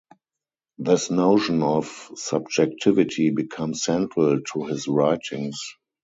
This notion of subjectivity becomes central to his writings.